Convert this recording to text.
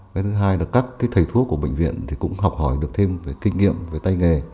cái thứ hai là các cái thầy thuốc của bệnh viện thì cũng học hỏi được thêm về kinh nghiệm về tay nghề